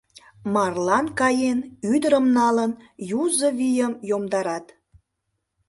Марлан каен, ӱдырым налын, юзо вийым йомдарат.